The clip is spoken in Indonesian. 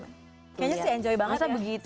kayaknya si enjoy banget ya begitu